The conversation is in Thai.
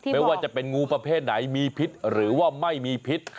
ไม่ว่าจะเป็นงูประเภทไหนมีพิษหรือว่าไม่มีพิษ